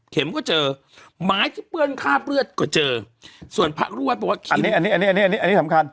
เข็มก็เจอไม้ที่เปื้อนคาบเลือดก็เจอส่วนพระรวชเพราะว่าอันนี้อันนี้อันนี้อันนี้สำคัญ